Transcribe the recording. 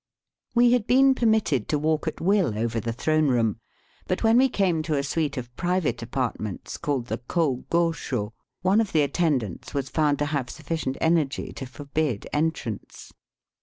71 We had been permitted to walk at will over the throne room, but when we came to a suite of private apartments called the Ko go sho, one of the attendants was found to have sufficient energy to forbid entrance.